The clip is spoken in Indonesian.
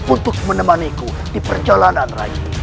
untuk menemaniku di perjalanan raja